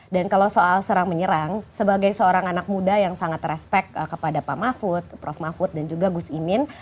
dan kalau soal serang menyerang sebagai seorang anak muda yang sangat respect kepada pak mahfud prof mahfud dan juga gus imin